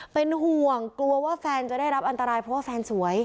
เป็นห่วงกลัวว่าแฟนจะได้รับอันตรายเพราะว่าแฟนสวย